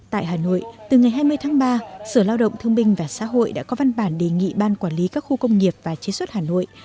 tại hà nội từ ngày hai mươi tháng ba sở lao động thương minh và xã hội đã có văn bản đề nghị ban quản lý các khu công nghiệp và chế xuất hà nội